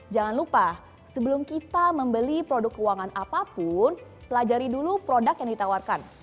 jangan lupa sebelum kita membeli produk keuangan apapun pelajari dulu produk yang ditawarkan